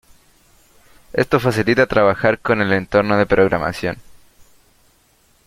Esto facilita trabajar con el entorno de programación.